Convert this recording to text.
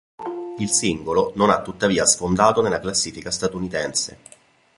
Il singolo non ha tuttavia sfondato nella classifica statunitense.